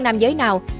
nam giới nào